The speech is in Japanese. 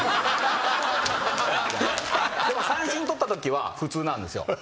でも三振取ったときは普通なんですよ。